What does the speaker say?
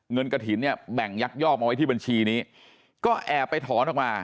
กระถิ่นเนี่ยแบ่งยักยอกเอาไว้ที่บัญชีนี้ก็แอบไปถอนออกมา